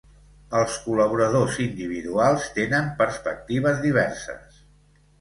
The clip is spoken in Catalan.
Els col·laboradors individuals tenen perspectives diverses.